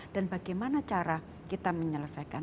dan bagaimana cara kita menyelesaikan